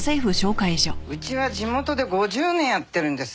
うちは地元で５０年やってるんです。